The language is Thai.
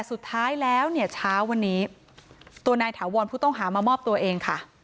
สุดท้ายแล้วเนี่ยเช้าวันนี้ตัวนายถาวรผู้ต้องหามามอบตัวเองค่ะ